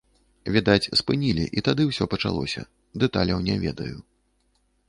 Відаць, спынілі і тады ўсё пачалося, дэталяў не ведаю.